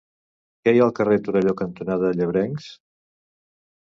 Què hi ha al carrer Torelló cantonada Llebrencs?